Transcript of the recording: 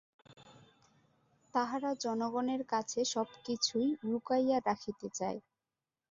তাহারা জনগণের কাছে সব কিছুই লুকাইয়া রাখিতে চায়।